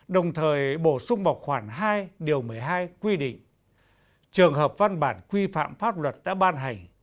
đồng thời bổ sung vào khoảng hai điều một mươi hai quy định trường hợp văn bản quy phạm pháp luật đã ban hành